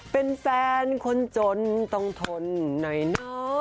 เป็นแฟนคนจนต้องทนหน่อยเนอะ